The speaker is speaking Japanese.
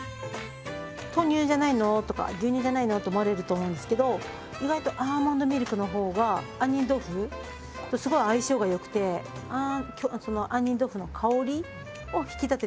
豆乳じゃないの？とか牛乳じゃないの？と思われると思うんですけど意外とアーモンドミルクの方が杏仁豆腐とすごい相性が良くて杏仁豆腐の香りを引き立ててくれます。